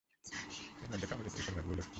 এর মধ্যে কাগজ তৈরি সর্বাগ্রে উল্লেখ্য।